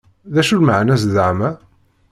D acu d lmeεna-s zeεma?